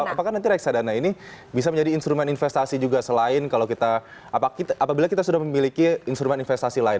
apakah nanti reksadana ini bisa menjadi instrumen investasi juga selain kalau kita apabila kita sudah memiliki instrumen investasi lain